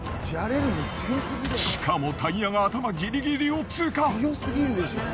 しかもタイヤが頭ギリギリを通過。